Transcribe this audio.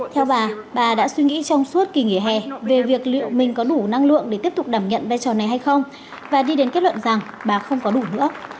theo bà bà đã suy nghĩ trong suốt kỳ nghỉ hè về việc liệu mình có đủ năng lượng để tiếp tục đảm nhận vai trò này hay không và đi đến kết luận rằng bà không có đủ nữa